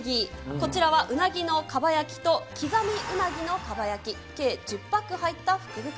こちらはうなぎのかば焼きと刻みうなぎのかば焼き、計１０パック入った福袋。